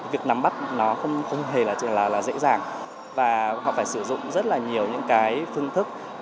việc nắm bắt nó không hề là dễ dàng và họ phải sử dụng rất là nhiều những cái phương thức